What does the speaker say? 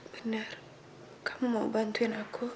benar kamu mau bantuin aku